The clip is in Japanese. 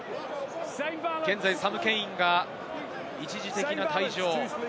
現在、サム・ケインが一時的な退場。